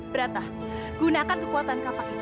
berata gunakan kekuatan kapak itu